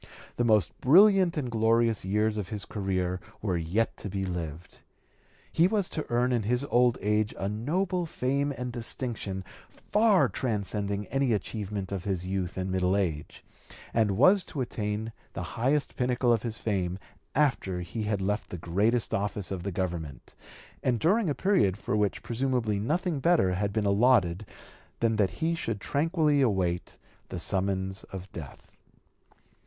The most brilliant and glorious years of his career were yet to be lived. He was to earn in his old age a noble fame and distinction far transcending any achievement of his youth and middle age, and was to attain the highest pinnacle of his fame after he (p. 224) had left the greatest office of the Government, and during a period for which presumably nothing better had been allotted than that he should tranquilly await the summons of death.